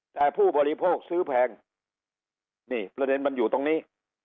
แต่ผู้บริโภคซื้อแพงนี่ประเด็นมันอยู่ตรงนี้